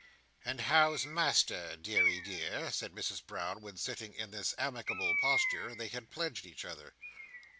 "And how's Master, deary dear?" said Mrs Brown, when, sitting in this amicable posture, they had pledged each other.